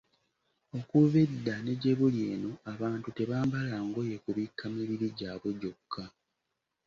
Okuva edda ne gyebuli eno abantu tebambala ngoye kubikka mibiri gyabwe gyokka.